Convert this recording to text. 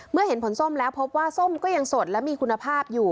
เมื่อเห็นผลส้มแล้วพบว่าส้มก็ยังสดและมีคุณภาพอยู่